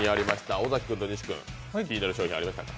尾崎君と西君気になる商品ありましたか？